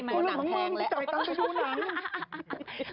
เพราะมันเงินที่จ่ายเงินไปดูหนัง